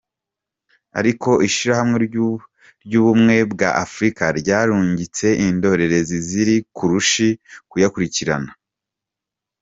Ariko ishirahamwe ry’ubumwe bwa Afrika ryarungitse indorerezi ziri ku rushi guyakurikirana.